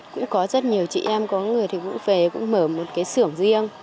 cũng có rất nhiều chị em có người thì cũng về cũng mở một cái xưởng riêng